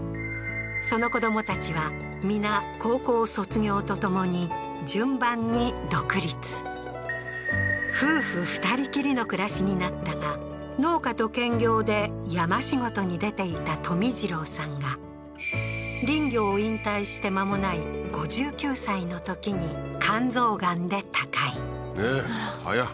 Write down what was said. その子供たちは皆高校卒業とともに順番に独立夫婦２人きりの暮らしになったが農家と兼業で山仕事に出ていた富次郎さんが林業を引退して間もない５９歳のときに肝臓がんで他界えっ？